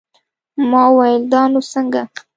ما وويل دا نو څنگه.